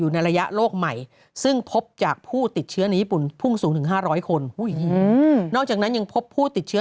นอกจากนั้นยังพบผู้ติดเชื้อ